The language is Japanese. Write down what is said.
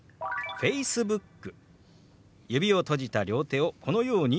「Ｆａｃｅｂｏｏｋ」。